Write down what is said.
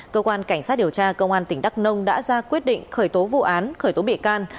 cơ quan cảnh sát điều tra công an tỉnh đắk nông đã ra quyết định khởi tố vụ án khởi tố bị can